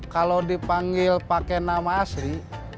kalau dipanggil pakai nama asri